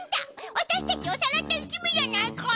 私たちをさらった一味じゃないか！